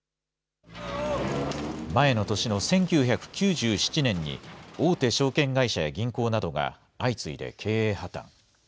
前の年の１９９７年に、大手証券会社や銀行などが相次いで経営破綻。